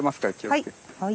はい。